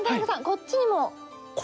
こっちにも？